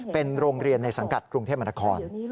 เป็นโรงเรียนในสังกัดกรุงเทพมนาคม